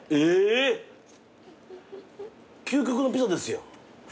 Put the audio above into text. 究極のピザですやん。